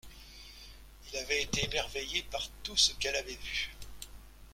Il avait été émerveillé par tout ce qu’elle avait vu.